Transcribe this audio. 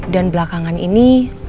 dan belakangan ini